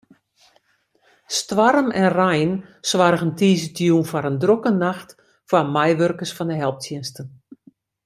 Stoarm en rein soargen tiisdeitejûn foar in drokke nacht foar meiwurkers fan de helptsjinsten.